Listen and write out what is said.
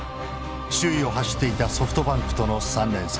首位を走っていたソフトバンクとの３連戦。